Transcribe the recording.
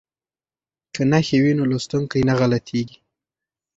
که نښې وي نو لوستونکی نه غلطیږي.